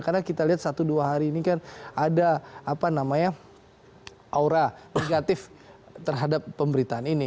karena kita lihat satu dua hari ini kan ada aura negatif terhadap pemberitaan ini